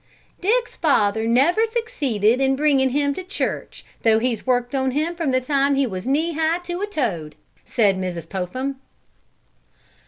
"Dick's father's never succeeded in bringing him into the church, though he's worked on him from the time he was knee high to a toad," said Mrs. Popham.